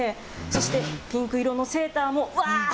そして、ピンク色のセーターも、わーっ。